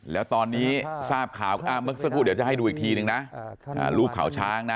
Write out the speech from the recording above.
แล้วตอนนี้ทราบข่าวก็เมื่อสักครู่เดี๋ยวจะให้ดูอีกทีนึงนะรูปข่าวช้างนะ